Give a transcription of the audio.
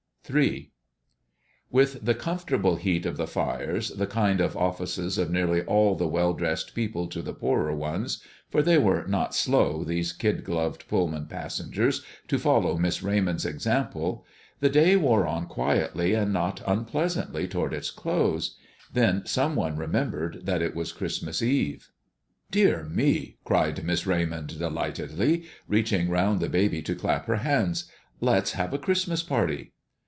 III With the comfortable heat of the fires, the kind offices of nearly all the well dressed people to the poorer ones for they were not slow, these kid gloved Pullman passengers, to follow Miss Raymond's example the day wore on quietly and not unpleasantly toward its close. Then some one suddenly remembered that it was Christmas Eve. "Dear me!" cried Miss Raymond, delightedly, reaching round the baby to clap her hands; "let's have a Christmas party!"